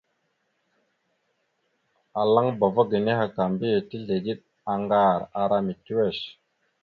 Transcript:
Alaŋbava ge nehe ka mbiyez tezligeɗ aŋgar ara mitiʉwesh.